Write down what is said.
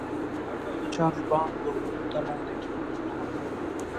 د چارج بانک، د اوبو بوتل، عینکې او عطرونه هم پکې وو.